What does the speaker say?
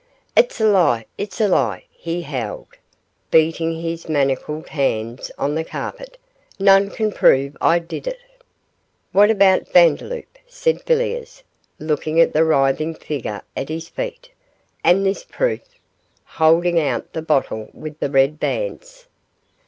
'It's a lie it's a lie,' he howled, beating his manacled hands on the carpet, 'none can prove I did it.' 'What about Vandeloup?' said Villiers, looking at the writhing figure at his feet, 'and this proof?' holding out the bottle with the red bands.